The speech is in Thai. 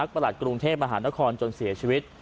ประหลัดกรุงเทพมหานครจนเสียชีวิต